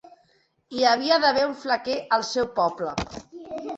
Hi havia d'haver un flequer al seu poble.